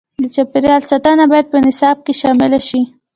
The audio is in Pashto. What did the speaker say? د چاپیریال ساتنه باید په نصاب کې شامل شي.